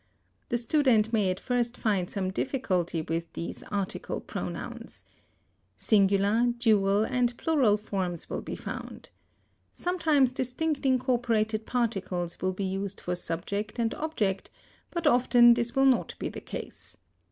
The student may at first find some difficulty with these article pronouns. Singular, dual, and plural forms will be found. Sometimes distinct incorporated particles will be used for subject and object, but often this will not be the case.